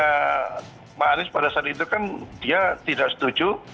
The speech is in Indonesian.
karena pak anies pada saat itu kan dia tidak setuju